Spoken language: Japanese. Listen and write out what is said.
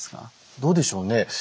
どうでしょうね？